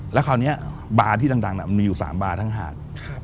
แล้วคราวนี้บาร์ที่ดังมันมีอยู่๓บาร์ทั้งหาด